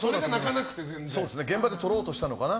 現場でとろうとしたのかな。